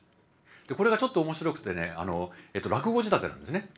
でこれがちょっと面白くてね落語仕立てなんですね。